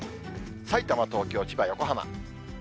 さいたま、東京、千葉、横浜。